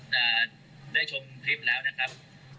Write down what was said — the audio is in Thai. จะได้ชมคลิปแล้วนะครับ